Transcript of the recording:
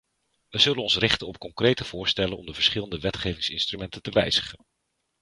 We zullen ons richten op concrete voorstellen om de verschillende wetgevingsinstrumenten te wijzigen.